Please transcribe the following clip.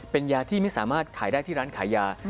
เป็นยาที่ไม่สามารถขายได้ที่ร้านขายยา